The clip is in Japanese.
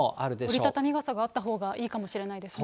折り畳み傘があったほうがいいかもしれないですね。